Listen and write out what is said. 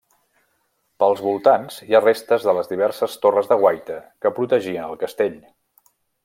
Pels voltants hi ha restes de les diverses torres de guaita que protegien el castell.